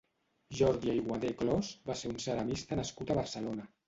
Jordi Aguadé Clos va ser un ceramista nascut a Barcelona.